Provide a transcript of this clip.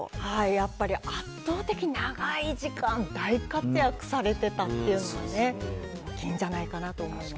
やっぱり圧倒的長い時間、大活躍されてたっていうのが大きいんじゃないかなと思います。